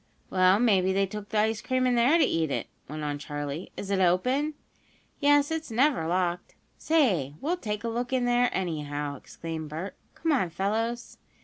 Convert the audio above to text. "Well, maybe they took the ice cream in there to eat it," went on Charley. "Is it open?" "Yes, it's never locked. Say, we'll take a look in there, anyhow!" exclaimed Bert. "Come on, fellows!"